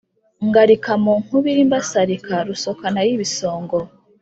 Ngarika mu nkubiri mbasarika Rusokanayibisongo!